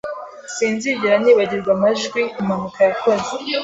Sinzigera nibagirwa amajwi impanuka yakoze